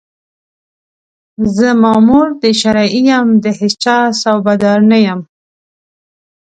زه مامور د شرعي یم، د هېچا صوبه دار نه یم